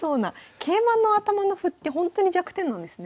桂馬の頭の歩ってほんとに弱点なんですね。